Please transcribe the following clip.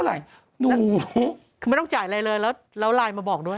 มายังไม่ต้องจ่ายอะไรเลยแล้วเราไลน์มาบอกด้วย